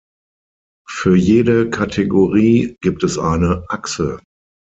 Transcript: Für jede Kategorie gibt es eine Achse.